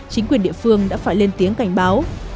chính quyền địa phương đã phải lên tiếng cảnh báo